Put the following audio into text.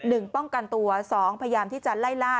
ป้องกันตัวสองพยายามที่จะไล่ล่า